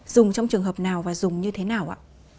dùng trong trường hợp nào và dùng như thế nào ạ